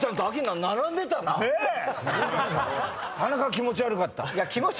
気持ち悪かった。